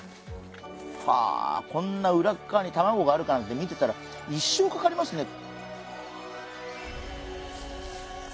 はあこんな裏っ側に卵があるかなんて見てたら一生かかりますね。